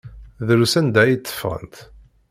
Drus anda ay tteffɣent.